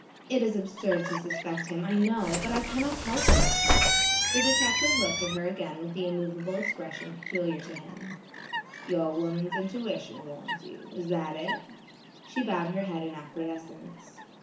It is absurd to suspect him I know, but I cannot help it." The detective looked at her again with the immovable expression peculiar to him. "Your woman's intuition warns you; is that it?" She bowed her head in acquiescence.